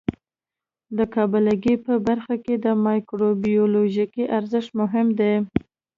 د قابله ګۍ په برخه کې د مایکروبیولوژي ارزښت مهم دی.